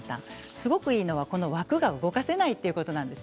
すごくいいのは枠が動かせないということです。